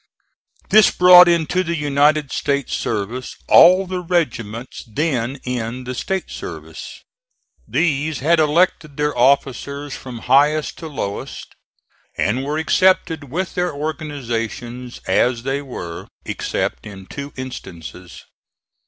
This brought into the United States service all the regiments then in the State service. These had elected their officers from highest to lowest and were accepted with their organizations as they were, except in two instances.